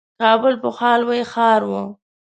کابل پخوا لوی ښار وو.